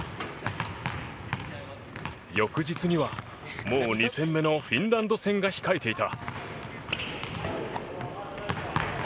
翌日には、もう２戦目のフィンランド戦が控えていた。